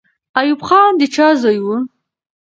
ایوب خان د چا زوی وو؟